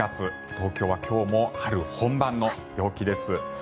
東京は今日も春本番の陽気です。